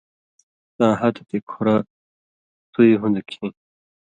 تاں ہتہۡ تے کُھرہ تُوئ ہُوندہۡ کھیں